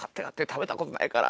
食べたことないから！